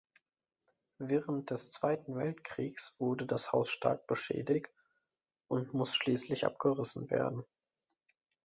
Während des Zweiten Weltkriegs wurde das Haus stark beschädigt und muss schließlich abgerissen werden.